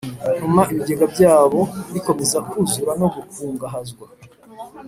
Ntuma ibigega byabo bikomeza kuzura no gukungahazwa